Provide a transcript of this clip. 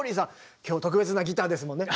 今日特別なギターですもんね。